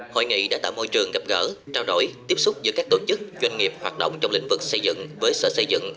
hội nghị đã tạo môi trường gặp gỡ trao đổi tiếp xúc giữa các tổ chức doanh nghiệp hoạt động trong lĩnh vực xây dựng với sở xây dựng